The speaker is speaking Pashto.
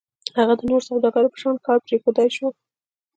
هغه د نورو سوداګرو په شان ښار پرېښودای شو.